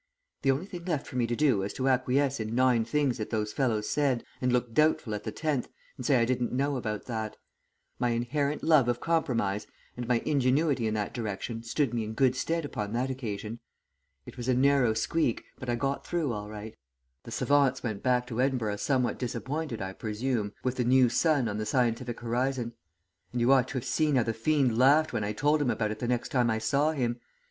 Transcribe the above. The only thing left for me to do was to acquiesce in nine things that those fellows said, and look doubtful at the tenth and say I didn't know about that; my inherent love of compromise and my ingenuity in that direction stood me in good stead upon that occasion. It was a narrow squeak, but I got through all right. The savants went back to Edinburgh somewhat disappointed, I presume, with the new sun on the scientific horizon. And you ought to have seen how the fiend laughed when I told him about it the next time I saw him!